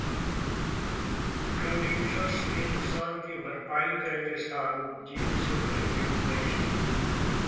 producers के नुकसान की भरपाई करेंगे शाहरुख, जेब से भरेंगे पैसे